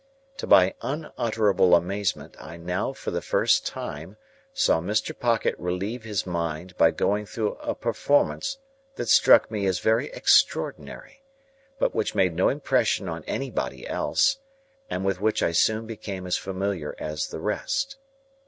To my unutterable amazement, I now, for the first time, saw Mr. Pocket relieve his mind by going through a performance that struck me as very extraordinary, but which made no impression on anybody else, and with which I soon became as familiar as the rest.